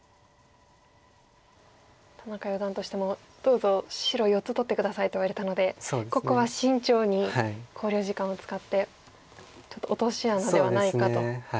田中四段としても「どうぞ白４つ取って下さい」と言われたのでここは慎重に考慮時間を使ってちょっと落とし穴ではないかと。